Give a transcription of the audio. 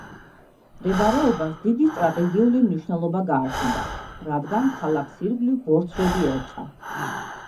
მდებარეობას დიდი სტრატეგიული მნიშვნელობა გააჩნდა, რადგან ქალაქს ირგვლივ ბორცვები ერტყა.